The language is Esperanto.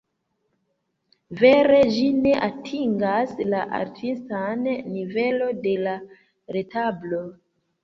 Vere ĝi ne atingas la artistan nivelo de la retablo.